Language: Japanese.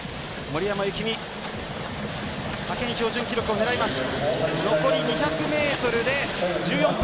森山幸美派遣標準記録を狙います。